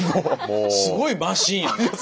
すごいマシーンやね。